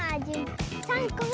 ３こめ。